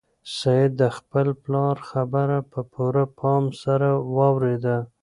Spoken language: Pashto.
سعید د خپل پلار خبره په پوره پام سره واورېده.